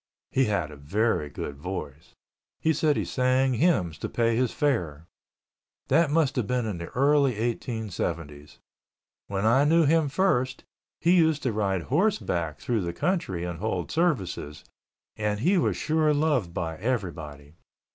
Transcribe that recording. He had a very good voice. He said he sang hymns to pay his fare. That must have been in the early 1870's. When I knew him first, he used to ride horseback through the country and hold services, and he was sure loved by everybody.